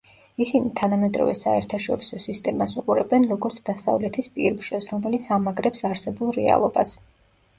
ისინი თანამედროვე საერთაშორისო სისტემას უყურებენ, როგორც დასავლეთის პირმშოს, რომელიც ამაგრებს არსებულ რეალობას.